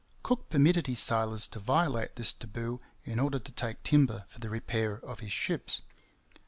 Cook permitted his sailors to violate this 'taboo' in order to take timber for the repair of his ships.